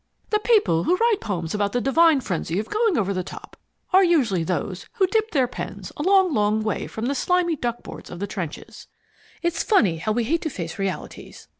"The people who write poems about the divine frenzy of going over the top are usually those who dipped their pens a long, long way from the slimy duckboards of the trenches. It's funny how we hate to face realities.